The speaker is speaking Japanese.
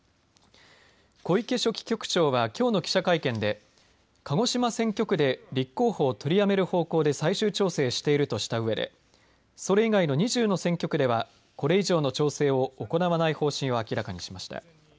小池書記局長はきょうの記者会見で鹿児島選挙区で立候補を取りやめる方向で最終調整しているとしたうえでそれ以外の２０の選挙区ではこれ以上の調整を行わない方針を明らかにしました。